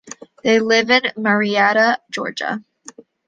They live in Marietta, Georgia.